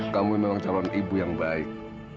kamu memang calon ibu yang baik